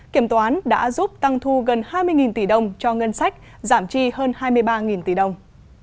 kiểm toán đã giúp tăng thu gần hai mươi tỷ đồng cho ngân sách giảm chi hơn hai mươi ba tỷ đồng